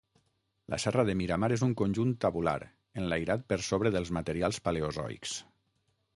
La serra de Miramar és un conjunt tabular, enlairat per sobre dels materials paleozoics.